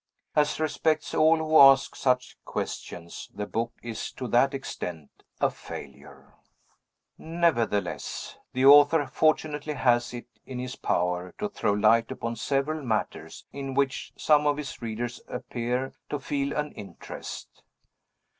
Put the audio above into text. As respects all who ask such questions, the book is, to that extent, a failure. Nevertheless, the Author fortunately has it in his power to throw light upon several matters in which some of his readers appear to feel an interest.